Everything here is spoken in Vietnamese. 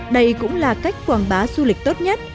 đây cũng là cách quảng bá du lịch tốt nhất